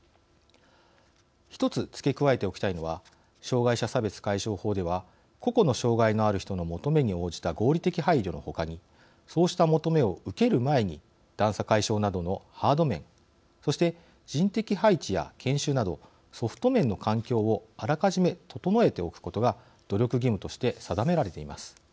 一つ付け加えておきたいのは障害者差別解消法では個々の障害のある人の求めに応じた合理的配慮のほかにそうした求めを受ける前に段差解消などのハード面そして人的配置や研修などソフト面の環境をあらかじめ整えておくことが努力義務として定められています。